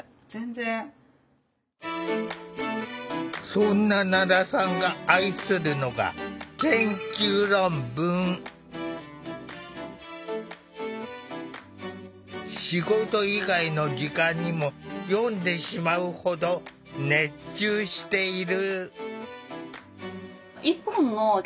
そんな奈良さんが愛するのが仕事以外の時間にも読んでしまうほど熱中している。